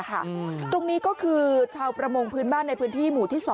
ตรงนี้ก็คือชาวประมงพื้นบ้านในพื้นที่หมู่ที่๒